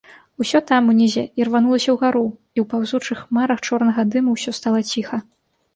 Усё там, унізе, ірванулася ўгару, і ў паўзучых хмарах чорнага дыму ўсё стала ціха.